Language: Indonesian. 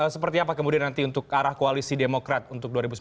seperti apa kemudian nanti untuk arah koalisi demokrat untuk dua ribu sembilan belas